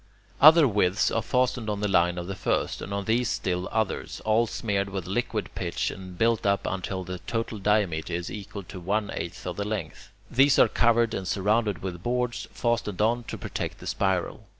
Other withes are fastened on the line of the first, and on these still others, all smeared with liquid pitch, and built up until the total diameter is equal to one eighth of the length. These are covered and surrounded with boards, fastened on to protect the spiral.